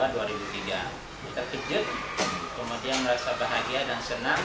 kita kejut kemudian merasa bahagia dan senang